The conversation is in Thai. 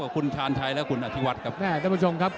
คุณชาญชัยและคุณอธิวัตรกับท่านผู้ชมครับ